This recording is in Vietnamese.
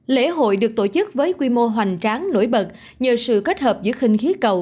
lễ hội được tổ chức với quy mô hoành tráng nổi bật nhờ sự kết hợp giữa khinh khí cầu